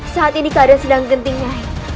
saat ini keadaan sedang genting nyai